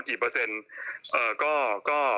พี่หนุ่ม